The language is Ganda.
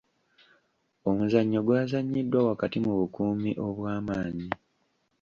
Omuzannyo gwazannyiddwa wakati mu bukuumi obw'amaanyi.